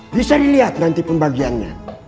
bisa dilihat nanti pembagiannya